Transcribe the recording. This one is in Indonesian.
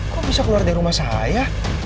kok bisa keluar dari rumah saya